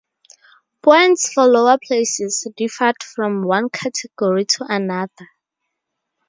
Points for lower places differed from one category to another.